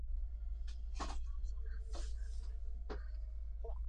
她还曾经帮助达努之子在麦格图雷德战役中击败了丑陋的深海巨人。